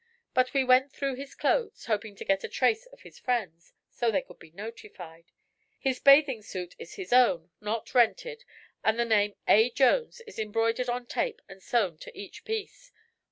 But we went through his clothes, hoping to get a trace of his friends, so they could be notified. His bathing suit is his own, not rented, and the name 'A. Jones' is embroidered on tape and sewn to each piece.